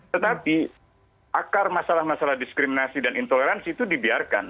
tetapi akar masalah masalah diskriminasi dan intoleransi itu dibiarkan